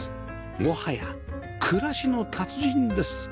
もはや暮らしの達人です